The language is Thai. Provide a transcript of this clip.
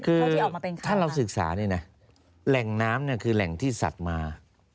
คือถ้าเราศึกษานี้แหล่งน้ำคือแหล่งที่สัตว์มา